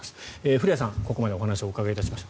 古屋さん、ここまでお話をお伺いしました。